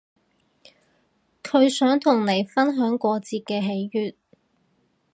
佢想同你分享過節嘅喜悅